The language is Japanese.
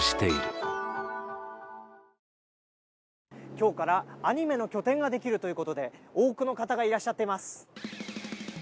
今日からアニメの拠点ができるということで多くの方がいらっしゃっています。